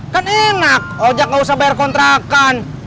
kan enak oh jack gak usah bayar kontrakan